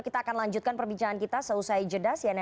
kita akan lanjutkan perbincangan kita selesai jedas ya neni